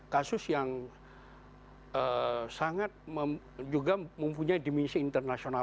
kasus yang sangat juga mempunyai dimensi internasional